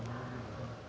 qua rất nhiều thời gian